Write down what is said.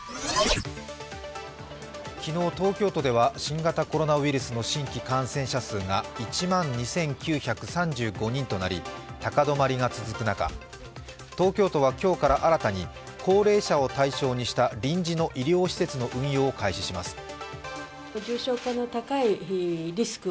昨日、東京都では新型コロナウイルスの新規感染者が１万２９３５人となり、高止まりが続く中、東京都は今日から新たに高齢者を対象にした臨時の医療施設の運用を開始します。